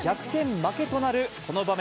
負けとなるこの場面。